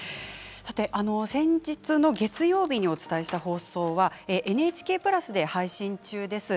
先日の月曜日にお伝えした放送はＮＨＫプラスで配信中です。